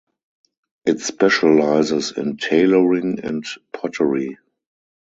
It specialises in tailoring and pottery.